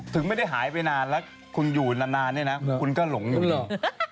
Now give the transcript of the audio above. ไม่ได้หายไปนานแล้วคุณอยู่นานเนี่ยนะคุณก็หลงอยู่เลย